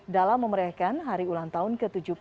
dalam memeriakan hari ulang tahun ke tujuh puluh enam